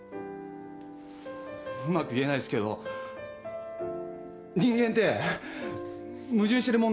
うまく言えないですけど人間て矛盾してるもんなんじゃないんですか？